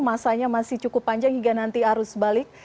masanya masih cukup panjang hingga nanti arus balik